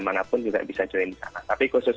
mana pun juga bisa join di sana tapi khusus